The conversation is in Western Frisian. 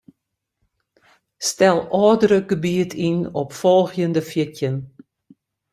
Stel ôfdrukgebiet yn op folgjende fjirtjin.